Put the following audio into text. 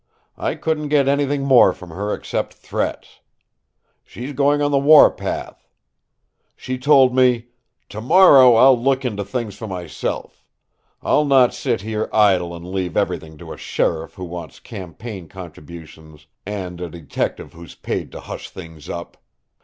I couldn't get anything more from her except threats. She's going on the warpath. She told me: 'Tomorrow I'll look into things for myself. I'll not sit here idle and leave everything to a sheriff who wants campaign contributions and a detective who's paid to hush things up!'